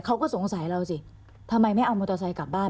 เขาก็สงสัยเราสิทำไมไม่เอามอเตอร์ไซค์กลับบ้าน